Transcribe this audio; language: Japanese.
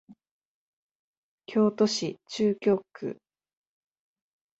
京都市中京区